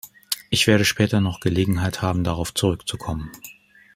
Ich werde später noch Gelegenheit haben, darauf zurückzukommen.